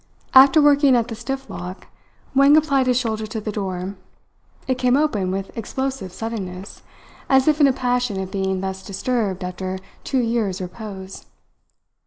After working at the stiff lock, Wang applied his shoulder to the door. It came open with explosive suddenness, as if in a passion at being thus disturbed after two years' repose.